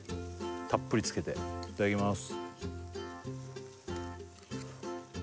たっぷりつけていただきます